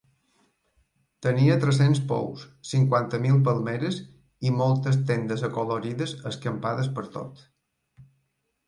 Tenia tres-cents pous, cinquanta mil palmeres i moltes tendes acolorides escampades pertot.